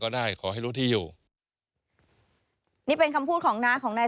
ได้ขอให้รู้ที่อยู่นี่เป็นคำพูดของน้าของนาย